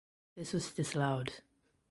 This was disallowed.